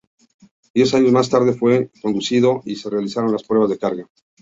Diez años más tarde fue concluido y se realizaron las pruebas de carga.